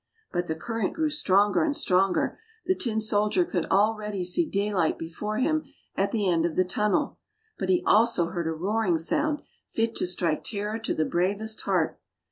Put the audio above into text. " But the current grew stronger and stronger, the tin soldier could already see daylight before him at the end of the tunnel; but he also heard a roaring sound, fit to strike terror to the bravest heart.